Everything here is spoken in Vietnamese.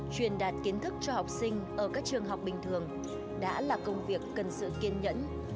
truyền đạt kiến thức cho học sinh ở các trường học bình thường đã là công việc cần sự kiên nhẫn